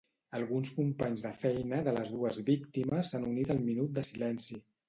Alguns companys de feina de les dues víctimes s'han unit al minut de silenci.